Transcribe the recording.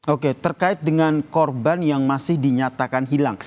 oke terkait dengan korban yang masih dinyatakan hilang